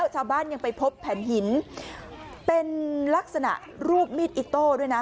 ชาวบ้านยังไปพบแผ่นหินเป็นลักษณะรูปมีดอิโต้ด้วยนะ